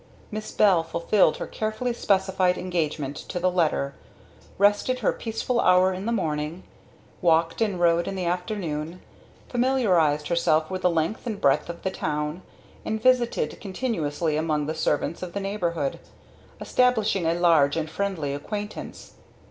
Miss Bell fulfilled her carefully specified engagement to the letter; rested her peaceful hour in the morning; walked and rode in the afternoon; familiarized herself with the length and breadth of the town; and visited continuously among the servants of the neighborhood, establishing a large and friendly acquaintance.